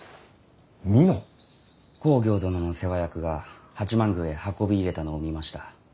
公暁殿の世話役が八幡宮へ運び入れたのを見ました。